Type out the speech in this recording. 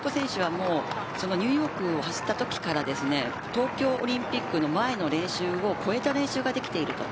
ニューヨークを走ったときから東京オリンピックの前の練習を超えた練習ができていると。